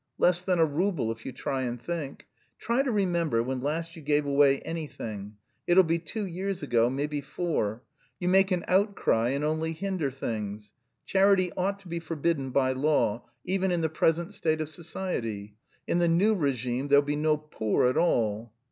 Less than a rouble, if you try and think. Try to remember when last you gave away anything; it'll be two years ago, maybe four. You make an outcry and only hinder things. Charity ought to be forbidden by law, even in the present state of society. In the new regime there will be no poor at all."